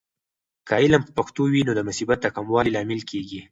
که علم په پښتو وي، نو د مصیبت د کموالي لامل کیږي.